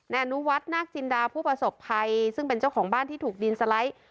อนุวัฒนนาคจินดาผู้ประสบภัยซึ่งเป็นเจ้าของบ้านที่ถูกดินสไลด์